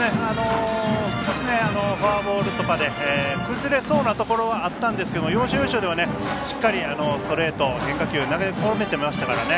少しフォアボールとかで崩れそうなところはあったんですけれども要所要所では、しっかりストレート、変化球投げ込めてましたからね。